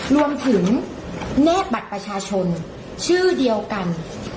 รวมถึงเลขบัตรประชาชนชื่อเดียวกัน